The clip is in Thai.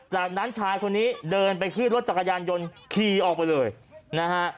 จากนั้นชายคนนี้เดินไปขึ้นรถจักรยานยนต์ขี่ออกไปเลยนะฮะ